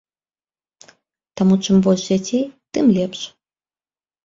Таму чым больш дзяцей, тым лепш.